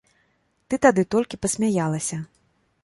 Ты тады толькі пасмяялася.